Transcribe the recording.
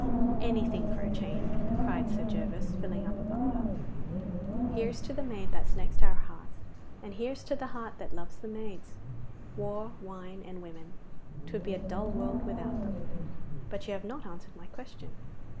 'Anything for a change,' cried Sir Gervas, filling up a bumper. 'Here's to the maid that's next our heart, and here's to the heart that loves the maids! War, wine, and women, 'twould be a dull world without them. But you have not answered my question.